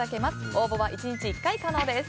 応募は１日１回可能です。